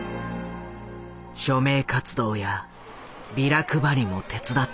署名活動やビラ配りも手伝った。